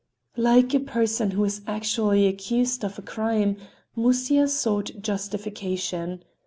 Like a person who is actually accused of a crime, Musya sought justification.